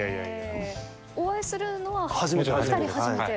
お会いするのはお二人初めて。